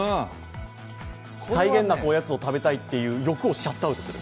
際限なくおやつを食べたいという欲をシャットアウトする。